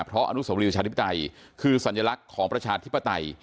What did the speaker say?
เพราะอนุสวรีประชาธิปไตยคือสัญลักษณ์ของประชาธิปไตย